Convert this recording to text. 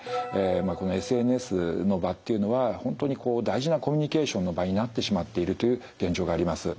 このＳＮＳの場っていうのは本当に大事なコミュニケーションの場になってしまっているという現状があります。